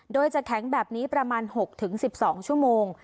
โดยจะแข็งแบบนี้ประมาณ๖๑๒ชั่วโมง